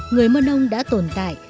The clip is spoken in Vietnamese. người mân âu đã tồn tại